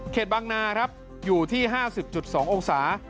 บางนาครับอยู่ที่๕๐๒องศา